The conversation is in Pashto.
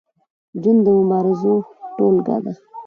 ژوند د مبارزو ټولګه ده.